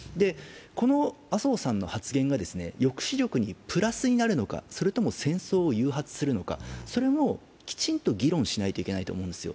この麻生さんの発言が抑止力にプラスになるのかそれとも戦争を誘発するのか、それもきちんと議論しないといけないと思うんですよ。